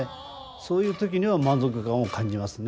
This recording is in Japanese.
そういう時には満足感を感じますね。